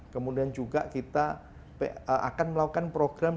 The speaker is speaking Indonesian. kemudian juga kita akan melakukan program